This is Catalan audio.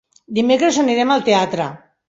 Dimecres anirem al teatre.